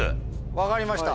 分かりました。